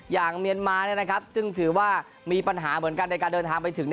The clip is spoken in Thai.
อย่างเมียนมานี่นะครับซึ่งถือว่ามีปัญหาเหมือนกันในการเดินทางไปถึง